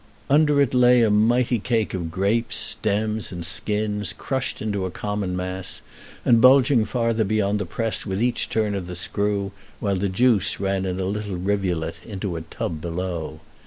Under it lay a mighty cake of grapes, stems, and skins, crushed into a common mass, and bulging farther beyond the press with each turn of the screw, while the juice ran in a little rivulet into a tub below.